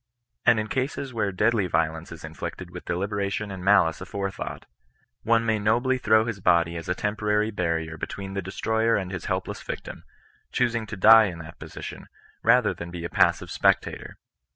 And in cases where deadly vio lence is inflicted with deliberation and malice afore thought, one may nobly throw his body as a temporary barrier between the destroyer and his helpless victim, choosing to die in that position, rather than be a passive spectator.